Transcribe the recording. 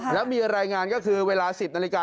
แล้วมีรายงานก็คือเวลา๑๐นาฬิกา